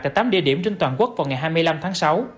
tại tám địa điểm trên toàn quốc vào ngày hai mươi năm tháng sáu